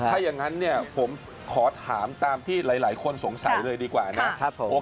ถ้าอย่างนั้นเนี่ยผมขอถามตามที่หลายคนสงสัยเลยดีกว่านะครับผม